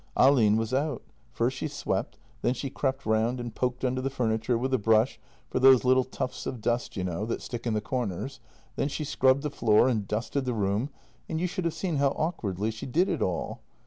Ahlin was out. First she swept, then she crept round and poked under the furniture with a brush for those little tufts of dust, you know, that stick in the corners. Then she scrubbed the floor and dusted the room, and you should have seen how awkwardly she did it all.